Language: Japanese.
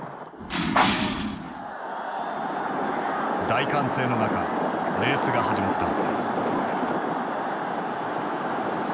大歓声の中レースが始まった。